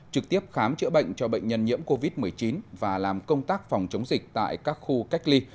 trực tiếp khám chữa bệnh cho bệnh nhân nhiễm covid một mươi chín và làm công tác phòng chống dịch tại các khu cách ly